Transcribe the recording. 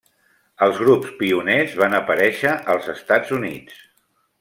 Els grups pioners van aparèixer als Estats Units.